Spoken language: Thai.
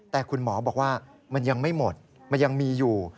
แต่คุณหมอบอกว่ามันยังไม่หมดมันยังมีอยู่